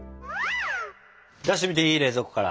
出してみていい？冷蔵庫から。